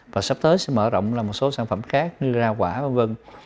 và sắp tới sẽ mở rộng làm một số sản phẩm khác như ra quả v v